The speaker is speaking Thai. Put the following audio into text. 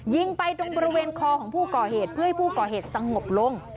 ยิงไปตรงบริเวณคอของผู้ก่อเหตุเพื่อให้ผู้ก่อเหตุสงบลง